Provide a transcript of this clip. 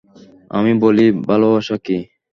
আমি বলি ভালোবাসা কী।